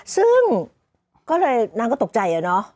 ซึ่งก็เลยน้ำก็ตกใจเนอะ